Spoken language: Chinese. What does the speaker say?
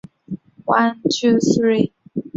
美援指的是美国对中华民国的援助贷款。